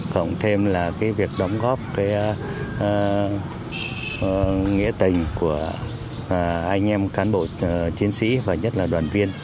cộng thêm là cái việc đóng góp nghĩa tình của anh em cán bộ chiến sĩ và nhất là đoàn viên